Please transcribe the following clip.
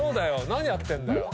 何やってんだよ？